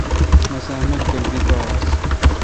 مسہ اؘ ملگر دی پا آس ۔